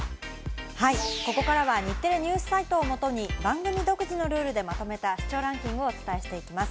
ここからは日テレニュースサイトをもとに番組独自のルールでまとめた視聴ランキングをお伝えしていきます。